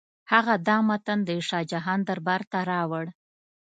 هغه دا متن د شاه جهان دربار ته راوړ.